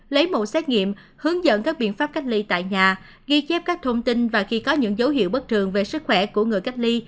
lấy mẫu xét nghiệm hướng dẫn các biện pháp cách ly tại nhà ghi chép các thông tin và khi có những dấu hiệu bất thường về sức khỏe của người cách ly